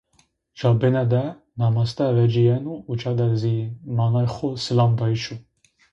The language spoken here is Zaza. Ca bıne de namaste veciyeno uca de zi manay xo "sılam dayışo"